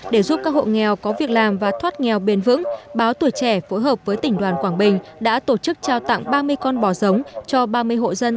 để giúp các hộ nghèo có việc làm và thoát nghèo bền vững báo tuổi trẻ phối hợp với tỉnh đoàn quảng bình đã tổ chức trao tặng ba mươi con bò giống cho ba mươi hộ dân